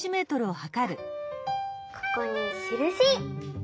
ここにしるし！